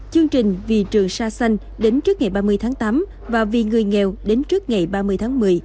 chương trình vì trường sa xanh đến trước ngày ba mươi tháng tám và vì người nghèo đến trước ngày ba mươi tháng một mươi